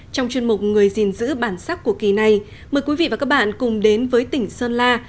trong chuyên mục người gìn giữ bản sắc của kỳ này mời quý vị và các bạn cùng đến với tỉnh sơn la